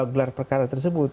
gelar perkara tersebut